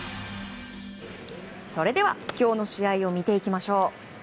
それでは今日の試合を見ていきましょう。